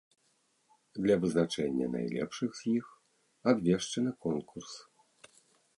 Для вызначэння найлепшых з іх абвешчаны конкурс.